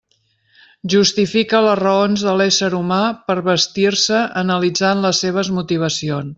Justifica les raons de l'ésser humà per vestir-se analitzant les seves motivacions.